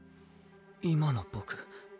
今の僕？